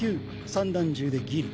散弾銃でギリ。